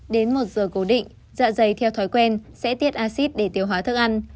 đến một giờ cố định dạ dày theo thói quen sẽ tiết acid để tiêu hóa thức ăn